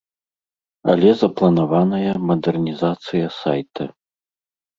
Але запланаваная мадэрнізацыя сайта.